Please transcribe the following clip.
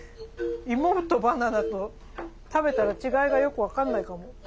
芋とバナナと食べたら違いがよく分かんないかも。